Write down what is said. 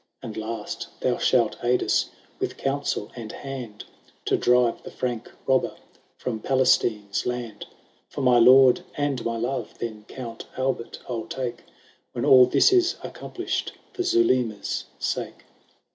" And, last, thou shalt aid us with counsel and hand, To drive the Frank robber from Palestine's land; For my lord and my love then Count Albert I'll take, When all this is accomplished for Zulema's sake."